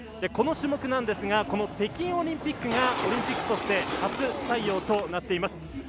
この種目なんですがこの北京オリンピックがオリンピックとして初採用となります。